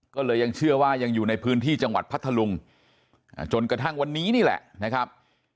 ก็เลยยังเชื่อว่ายังอยู่ในพื้นที่จังหวัดพัทธลุงจนกระทั่งวันนี้นี่แหละนะครับ